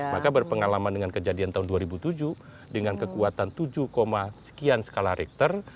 maka berpengalaman dengan kejadian tahun dua ribu tujuh dengan kekuatan tujuh sekian skala richter